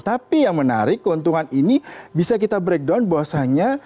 tapi yang menarik keuntungan ini bisa kita breakdown bahwasannya